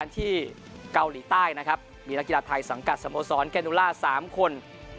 ที่เกาหลีใต้นะครับมีนักกีฬาไทยสังกัดสโมสรแกนูล่า๓คน